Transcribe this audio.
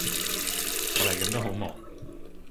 我嚟緊都好忙